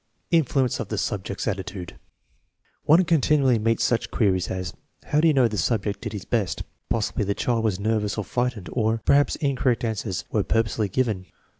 Influence of the subject's attitude One continually meets such queries as, "How do you know the subject did his best? "" Possibly the child was nervous or frightened/' or, " Perhaps incorrect answers were purposely 110 THE MEASUREMENT OF INTELLIGENCE given."